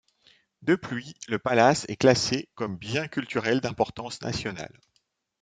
Depuis, le palace est classé comme bien culturel d'importance nationale.